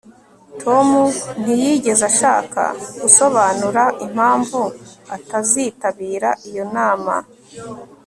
tom ntiyigeze ashaka gusobanura impamvu atazitabira iyo nama